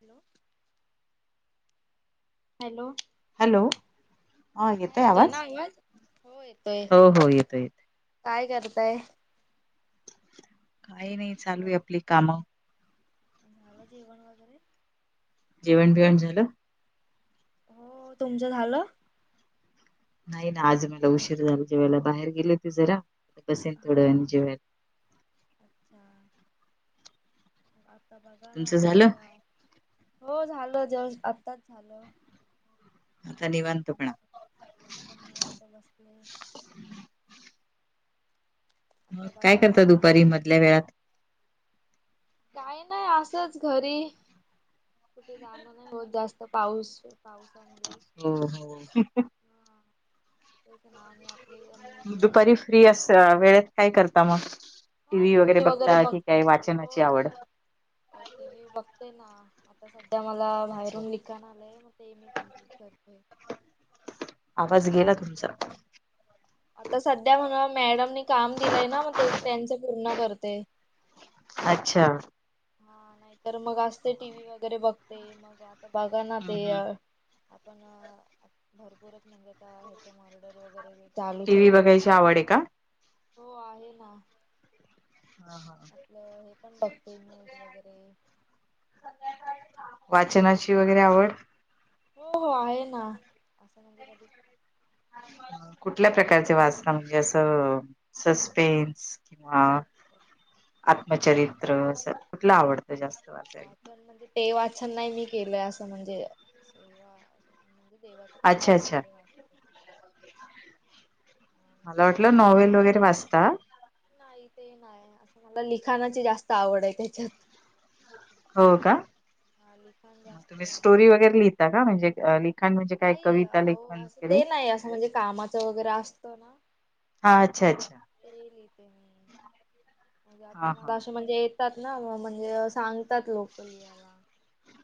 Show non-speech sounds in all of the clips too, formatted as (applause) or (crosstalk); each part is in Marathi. हॅलो. हॅलो. हॅलो हा येतोय आवाज? हो हो येतोय. काय करताय? काही नाही चालूये आपली कामं. झालं जेवण वगैरे? जेवण बिवण झालं? हो तुमचं झालं? नाही ना आज मला उशीर झाला जेवायला. बाहेर गेली होते जरा, बसेन हा थोडा वेळानी हा जेवायला. अच्छा. आता बघा ना तुमचं झालं? आम्ही या, हो झालं जेवण आत्ताच झालं. आता निवांतपणा. आता निवांत बसले मग आता काय बघा ना करतात म्हणजे दुपारी मधल्या वेळात काही नाही असंच घरी कुठे जाणं नाही होत जास्त पाऊस पावसामुळे हो हो हा तेच ना आणि आप दुपारी फ्री अस वेळेत काय करता मग टी हा व्ही वगैरे न्यूज बघता की काय बघते वाचनाची हो आवड टी टी व्ही बघते ना आता सध्या मला अच्छा. बाहेरून नि ठिकण आलंय मग ते एम कम्प्लीट करतय आवाज गेला तुमचा आता सध्या मला मॅडमनी काम दिलंय ना मग ते त्यांच पूर्ण करते अच्छा हा नाही तर मग असते टी व्ही वगैरे बघते मग आता बघा ना हम्म ते हम्म. आपण भरपूरच म्हणजे आता ह्याचं मर्डर वगैरे टी चालूच व्ही आहेत ना बघायची आवड आहे का? हो आहे ना हा हा हा हे पण बघते न्यूज वगैरे काय वाचनाची झालं वगैरे काय आवड हो हो आहे ना असं म्हणजे कधी कुठल्या प्रकारचे वाचता म्हणजे असं सस्पेन्स किंवा आत्मचरित्र अस कुठलं आवडतं जास्त वा वाचन म्हणजे ते वाचन नाही मी केलंय असं म्हणजे सेवा म्हण देवा अच्छा पुस्तक अच्छा वगैर वा नाही मला तर वाटलं मग नॉवल वगैरे वाचत नाही ते नाही अस मला लिखाणाची जास्त आवड आहे त्याच्यात हो का हा लिखाण जास्त म्हणजे आवडत ता का म्हणजे अ ली नाही अ आओ असं ते नाही असं म्हणजे कामाचं वगैरे असतं ना हा अच्छा अच्छा ते लिहिते मी म्हणजे आता हा मला हा असं म्हणजे म्हणजे सांगतात लोक लिहायला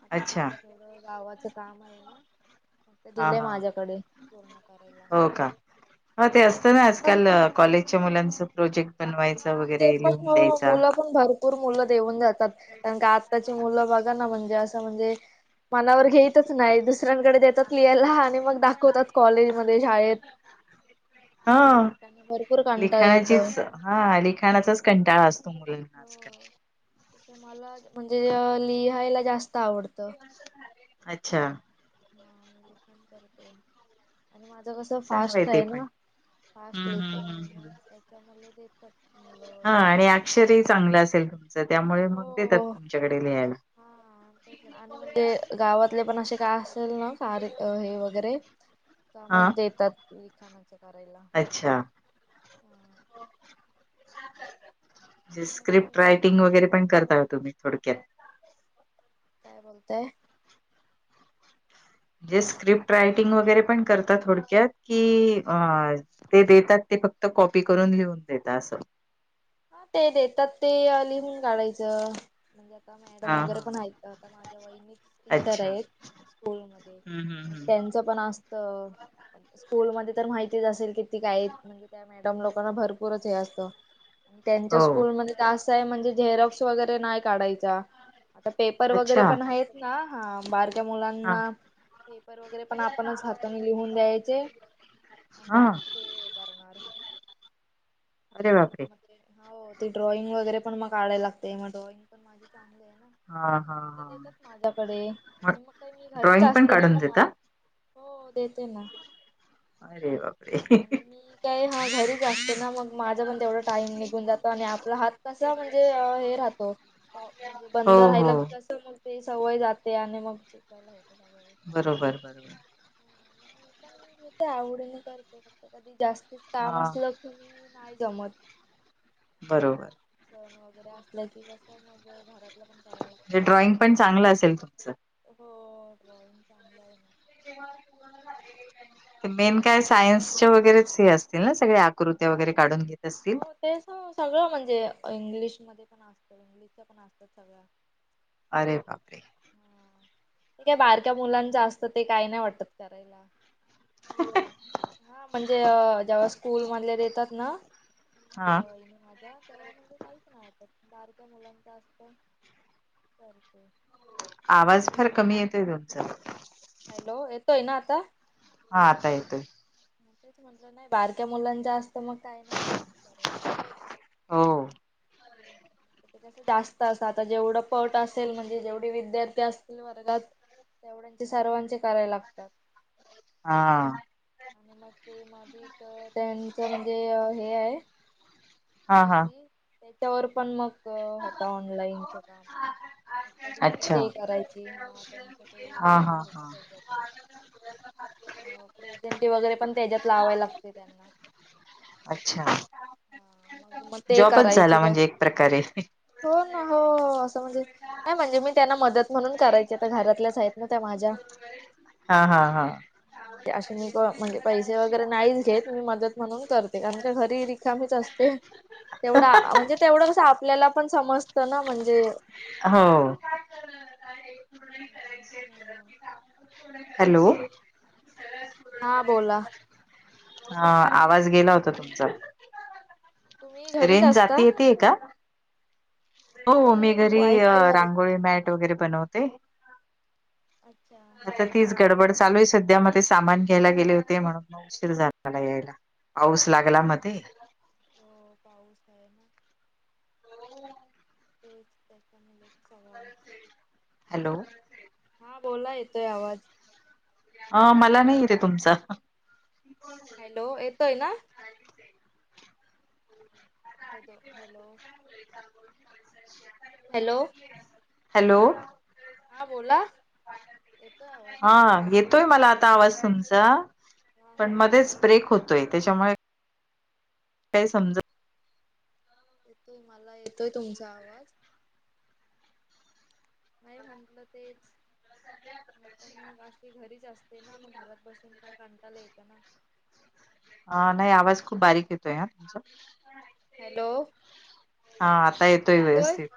आता पण अच्छा ते गावाचं काम आहे ना मग ते हा दिलेय हा माझ्याकडे हो का ह ते असतं ना आजकाल अ, कॉलेजच्या मुलांच प्रोजेक्ट बनवायचा हा ते वगैरे, पण लिहून हो द्यायचा मुलं भरपूर मुलं देऊन जातात, कारण का आताची मुलं बघा ना म्हणजे असं म्हणजे मनावर घेतच नाही दुसऱ्यांकडे देतात केला आणि मग दाखवतात कॉलेज मध्ये, शाळेत हा त्यांना भरपूर कंटाळा येत लिखाणाचीच हा लिखाणाचाच कंटाळा असतो मुलांना आजकाल तस मला म्हणजे लिहायला जास्त आवडतं अच्छा हा मी लिखान करते आणि माझं कसं चांगलंय फास्ट ते आहे ना, पण फास्ट हम्म लहिते हम्म मी, हम्म मग हम्म. त्याच्यामुले देतात मुलं हा वगैरे आणि अक्षर ही चांगलं असेल चल त्यामुळे ते मग देतात हो. तुमच्याकडे लिहायला हा तेच आणि म्हणजे गावातले पण असे काय असेलना कार्य हे वगैरे काम हा देतात लिखाणाच करायला अच्छा हा मग स्क्रिप्ट तुम्ही रायटिंग वगैरे पण करताय तुम्ही थोडक्यात? काय बोलताय? जे स्क्रिप्ट रायटिंग वगैरे पण करतात थोडक्यात, कि अ ते देतात, ते फक्त कॉपी करून लिहून देतात असं? हा ते देतात, ते लिहून काढायचं म्हणजे आता मॅडम हा वगैरे हा पण आहेत आता माझ्या टीचर अच्छा आहेत स्कूल मध्ये, हम्म हम्म हम्म त्यांचं पण असत स्कूलमध्ये तर माहितीच असेल कि ती काय, म्हणजे त्या मॅडम लोकांना भरपूरच हे असतं त्यांच्या हो स्कूलमध्ये तर असं ए, म्हणजे झेरॉक्स वगैरे नाही काढायचा आता पेपर वगैरे अच्छा पण आहेत ना बार्क बारक्या हा मुलांना पेपर वगैरे पण आपणच हाताने लिहून द्यायचे आणि हा मग ते करणार अरे बापरे मग हो ती ड्रॉइंग वगैरे पण मग काढायला लागते मग ड्रॉइंग पण माझी चांगली आहे ना हा हा मगत देतात माझ्याकडे हा आणि मग काही मी घरीच ड्रॉइंग पण असते ना, काढून कमाल देता हो देते ना अरे बापरे! ! आणि मी काय हा घरीच असते ना, मग माझा पण तेवढा टाइम निघून जातो आणि आपला हात कसा म्हणजे हे राहत- म्हणजे हो बंद राहिला हो की कसं मग ते सवय जाते आणि मग चुयला होत बरोबर बरोबर मी पण घेते आवडीने करते, फक्त कधी जास्तच काम हा असलं की मी नाही जमत बरोबर सण वगैरे असल्या की कस मग घरातला पण करायला लागतं म्हणजे ना ड्रॉइंग आपल्याला. पण चांगलं असेल तुमचं हो, ड्रॉइंग चांगलं आहे माझं (inaudible) (inaudible) मेन काय सायन्सचे वगैरेच हे असतील ना सगळे आकृत्या वगैरे काढून घेत असतील ते सगळं म्हणजे इंग्लिशमध्ये पण असतं इंग्लिशच्या पण असतात सगळं अरे बापरे काय बारक्या मुलांच असतं ते काही नाही वाटत करायला ह हा म्हणजे जेव्हा स्कूल मधले येतात ना हा तेव्हा म्हणजे काहीच नव्हतं बारक्या मुलांच असत करते आवाज ते फार मग कमी येतोय तुमचा हॅलो येतोय ना आता हा आता येतोय. तेच म्हटलं नाही बारक्या मुलांच्या असतं मग काय नाही वाटत करायला. हो. जसे जास्त असं आता जेवढं पट असेल म्हणजे जेवढी विद्यार्थी असतील वर्गात तेवढ्यांचे सर्वांचे कराय लागतात. हां. आणि मग ते मागे तर त्यांचं म्हणजे हे आहे (inaudible) हा हा त्याच्यावर पण मग होता ऑनलाइनच काम. कधी कधी अच्छा ते करायची हा त्यांचं ते हा हा काहीतरी होतं हा त्याच्यात. अ प्रेझेंटी वगैरे पण त्याच्यात लावा लागते त्यांना. अच्छा हा मग मग ते जॉबच करायची झाला काय म्हणजे एक प्रकारे. हो ना हो असं म्हणजे नाही म्हणजे मी त्यांना मदत म्हणून करायची ते घरातल्याच आहेत ना त्या माझ्या. अरे हा हा हा. अशी मी क म्हणजे पैशे वगैरे नाहीच घेत मी मदत म्हणून करते आणि काय घरी री कामीच असते तेवढं म्हणजे तेवढं कसं आपल्याला पण समजतं ना म्हणजे हो. म्हणून. हॅलो. हां बोला. हा आवाज गेला होता तुम्ही तुमचा. तुम्ही घरीच रेंज जाती असता? येतेय का? हो मी नाही घरी वायफाय वर रांगोळी मॅट वगैरे बनवते. अच्छा आता तीच गडबड चालूय सध्या म ते सामान घ्यायला गेले होते म्हणून म उशीर झाला यायला. पाऊस लागला मध्ये. लागतो (unintelligible) तेच त्याच्यामुळं सगळा हॅलो. हा बोला येतोय आवाज. आ मला नाहीे येतेय तुमचं. हॅलो येतोय ना. हेदो हॅलो. हॅलो. हॅलो हा बोला येतोय आवाज हा येत तय मला आता आवाज तमचा हा पण हा मध्येच येतोय ब्रेक हो मला तोय त्याच्यामुळे काय समज येतोय मला येतोय तुमचा आवाज. नाही म्हंटलं तेच पण मग आशवी घरीच असते ना मग घरात बसून पण कंटाला येतं ना. आ नाही आवाज खूप बारीक येतोय हा तुमचा. हॅलो. हा आता येतोय व्यवस्थित.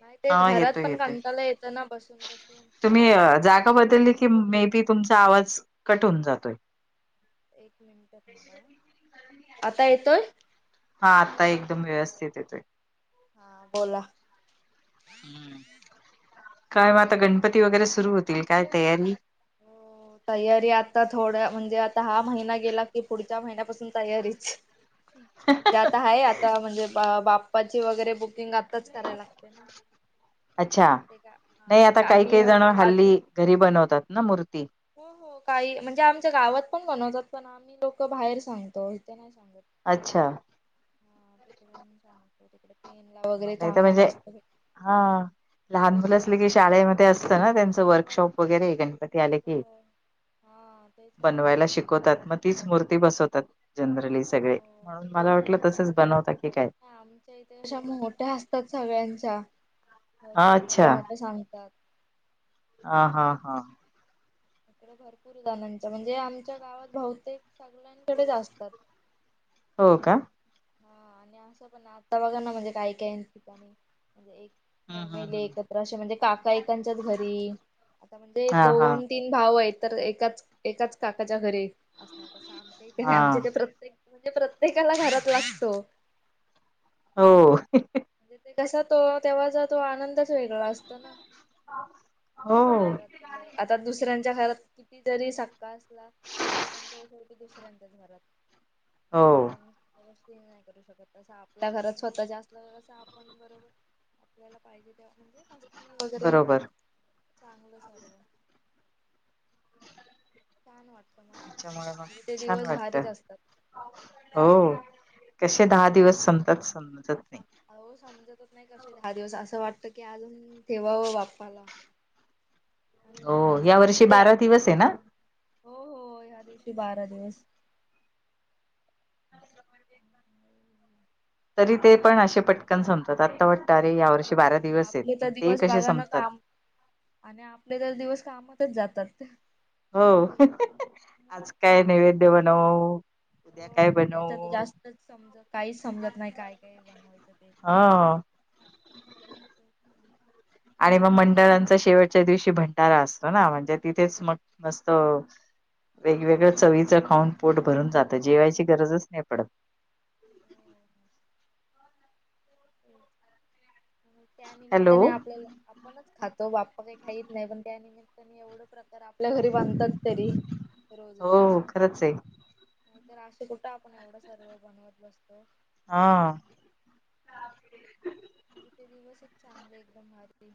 नाही तेच हा घरात येतोय पण येतोय कंटाला येतं ना बसून-बसून. तुम्ही (inaudible) जागा बदलली की मे बी तुमचा आवाज कट होऊन जातोय. एक मिनिटांबा आता येतोय हा आत्ता एकदम व्यवस्थित येतोय हा बोला काय मग आता गणपती वगैरे सुरु होतील काय तयारी हो तयारी आता थोड्या म्हणजे आता हा महिना गेला की पुढच्या महिन्यापासून तयारीच जत आहे आता म्हणजे बा बाप्पाची वगैरे बुकिंग आ कराय लागते ना अच्छा ते का हा नाही म्हणजे आता काही काही जण आम्हीध हल्ली घरी बनवतात ना मूर्ती हो हो काही म्हणजे आमच्या गावात पण बनवतात पण आम्ही लोक बाहेर सांगतो इथे नाही सांगत अच्छा हा ते करून सांग मला तर म्हणजे भेटतो हा लहान मुलं मग असले की आम्ही शाळेमध्ये अस असत ना त्यांचं वर्कशॉप वगैरे ते आले की हो हा तेच ना बनवायला शिकवतात मग तीच मूर्ती बसवतात जनरली सगळे हो म्हणून मला वाटलं तसच बनवत की काय इतशा मोठ्या असतात सगळ्यांच्या भरपूर मोठ्या अच्छा मोठ्या सांगतात ह हा हा इ भरपूरदाणांच्या म्हणजे आमच्या गावात बहुतेक सगळ्यांकडेच असतात हो का हा आणि असं पण आता बघा ना म्हणजे काही काही ठिकाणी म्हणजे एक हम्म हम्म फॅमिली हम्म एकत्र अे म्हणजे काका एकांच्याच घरी आता म्हणजे हा हा दोन तीन भाव आहेत तर एकाच एकाच काकाच्या घरी असणार तसंही हा आमचेथ प्रत्य म्हणजे प्रत्येकाला घरात लागतो हो कसा तो तेव्हाचा तो आनंदच वेगळा असतो ना हो आपल्या घरात आता दुसऱ्यांच्या घरात किती जरी साखका असला तरी पण तो दुसऱ्याच्याच घरात हो आपण गोष्टी नाही करू शकत तस आपल्या घरात स्वतः जास्त व आपण बरोबर आपल्याला पाहिजे ते म्हणजे मस्ती वगैरे बरोबर चांगलं सर्व छान वाटत म त्याच्यामुळे मग तेे छान दिवस वाटत भारीच असतात हो कसे दहा दिवस संमतात समजत नाही हो समजतच नाही कसे दहा दिवस असं वाटत की अजून ठेवावं बाप्पाला हो आणि या जास्त वर्षी म्हणजे बारा दिवस आहे ना हो हो ह्या दिवशी बारा दिवस का तरी ते दिव पण बारा असे दिवस पटकन संपतात आत्ता वाटत अरे या वर्षी हो बारा आणि दिवस आहेत आपले तर पण ते दिवस कसे बघा ना संपतात काम आणि आपले तर दिवस कामातच जातात हो मग आज काय नैवेद्य बनव हो आणि त्याच्या तर जास्तच समज काहीच समजत नाही काय काय बनवायचं ते. हा आणि पण मग म्हणजे मंडळांचा शेवटच्या दिवशी भंडारा असतो ना म्हणजे तिथेच मग मस्त वेगवेगळं चवीचं खाऊन पोट भरून जातं जेवायची गरजच नाही पडत हॅलो त्यानमित्ताने आपल्याला आपणच खातो, बाप्पा काही खाईत नाही पण त्या निमित्ताने एवढ प्रकार आपल्या घरी बांधतात तरी. रोज हो रोज, खरंच आहे नाहीतर असे कुठं आपण एवढं सर्व बनवत बसतो. हा. म्हणजे ते दिवसच चांगले, एकदम भारी